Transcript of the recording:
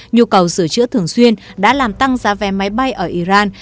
nhu cầu sửa chữa thường xuyên đã làm tăng giá vé máy bay ở iran